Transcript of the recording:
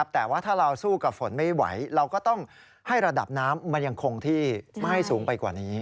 แต่ว่าถ้าเราสู้กับฝนไม่ไหวเราก็ต้องให้ระดับน้ำมันยังคงที่ไม่ให้สูงไปกว่านี้